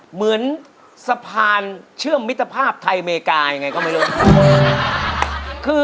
เหมือนสะพานเชื่อมมิตรภาพไทยอเมริกายังไงก็ไม่รู้